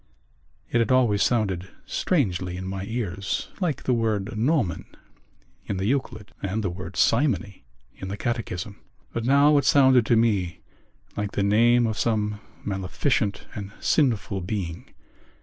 It had always sounded strangely in my ears, like the word gnomon in the Euclid and the word simony in the Catechism. But now it sounded to me like the name of some maleficent and sinful being.